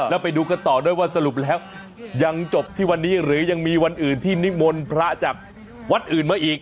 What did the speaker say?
แล้วไปดูกันต่อด้วยว่าสรุปแล้วยังจบที่วันนี้หรือยังมีวันอื่นที่นิมนต์พระจากวัดอื่นมาอีก